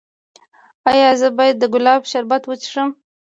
ایا زه باید د ګلاب شربت وڅښم؟